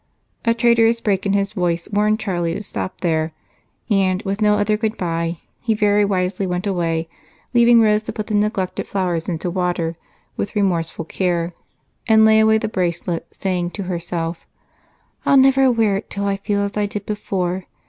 A traitorous break in his voice warned Charlie to stop there, and with no other good bye, he very wisely went away, leaving Rose to put the neglected flowers into water with remorseful care and lay away the bracelet, saying to herself: "I'll never wear it till I feel as I did before.